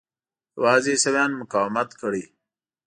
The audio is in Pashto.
یوازې عیسویانو مقاومت کړی.